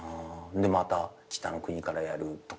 でまた『北の国から』やるとか。